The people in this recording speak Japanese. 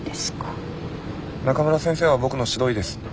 中村先生は僕の指導医です。